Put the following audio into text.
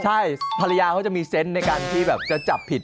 ใช่ภรรยาเขาจะมีเซนต์ในการที่แบบจะจับผิด